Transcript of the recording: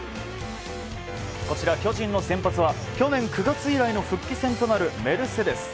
こちら、巨人の先発は去年９月以来の復帰戦となるメルセデス。